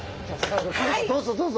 どうぞどうぞ。